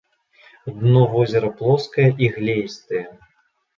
Дно возера плоскае і глеістае.